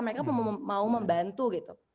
mereka mau membantu gitu